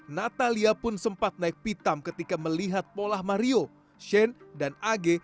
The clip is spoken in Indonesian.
natalia pun sempat naik pitam ketika melihat pola mario shane dan ag